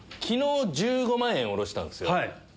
昨日１５万円下ろしたんですよ。